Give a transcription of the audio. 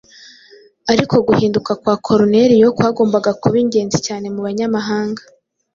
ariko guhinduka kwa Koruneliyo kwagombaga kuba ingenzi cyane mu banyamahanga.